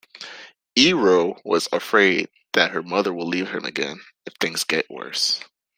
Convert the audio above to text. Eero was afraid that her mother will leave him again if things get worse.